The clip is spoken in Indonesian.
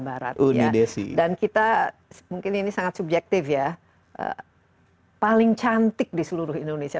barat iya dan kita mungkin ini sangat subjektif ya paling cantik di seluruh indonesia